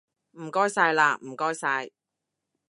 唔需要喇唔該晒